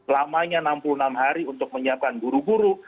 lamanya enam puluh enam hari untuk menyiapkan guru guru